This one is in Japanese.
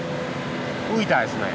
浮いたですね。